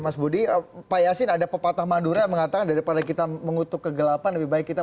mas budi payasin ada pepatah madura mengatakan daripada kita mengutuk kegelapan lebih baik kita